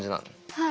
はい。